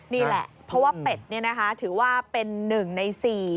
นี่แหละเพราะว่าเป็ดนี่ถือว่าเป็นหนึ่งในสี่